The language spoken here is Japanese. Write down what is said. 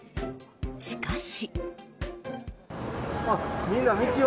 しかし。